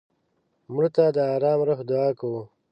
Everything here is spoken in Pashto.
مړه ته د ارام روح دعا کوو